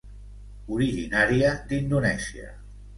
Originària d'Indonèsia.